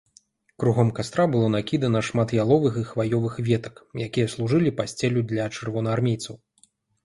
Кругом кастра было накідана шмат яловых і хваёвых ветак, якія служылі пасцеллю для чырвонаармейцаў.